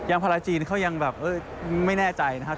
ภาราจีนเขายังแบบไม่แน่ใจนะครับ